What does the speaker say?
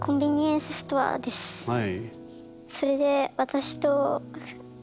はい。